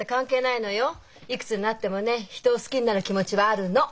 いくつになってもね人を好きになる気持ちはあるの！